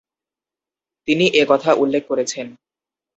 তিনি এ কথা উল্লেখ করেছেন।